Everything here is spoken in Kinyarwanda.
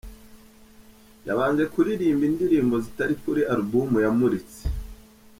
Yabanje kuririmba indirimbo zitari kuri album yamuritse.